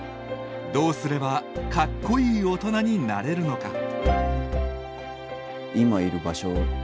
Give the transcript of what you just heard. どうすれば「かっこいい大人」になれるのか。